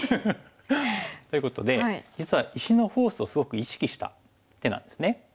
ということで実は石のフォースをすごく意識した手なんですね。